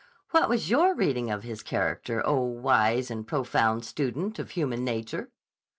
"What was your reading of his character, oh, wise and profound student of human nature?"